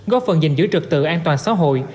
góp phần dình dưới trực tự an toàn xã hội